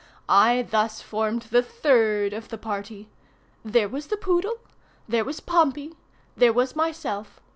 I thus formed the third of the party. There was the poodle. There was Pompey. There was myself.